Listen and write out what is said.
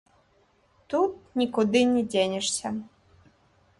Тут нікуды не дзенешся.